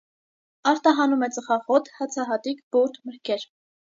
Արտահանում է ծխախոտ, հացահատիկ, բուրդ, մրգեր։